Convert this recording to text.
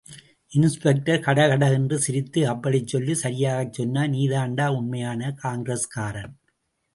இன்ஸ்பெக்டர்கடகடஎன்று சிரித்து அப்படிச்சொல்லு, சரியாகச் சொன்னாய், நீதாண்டா உண்மையான காங்கிரஸ்காரன்.